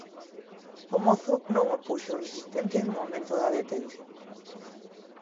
O mozo non opuxo resistencia no momento da detención.